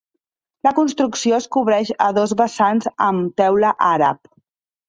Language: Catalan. La construcció es cobreix a dos vessants amb teula àrab.